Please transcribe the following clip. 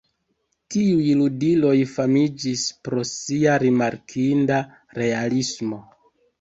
Tiuj ludiloj famiĝis pro sia rimarkinda realismo.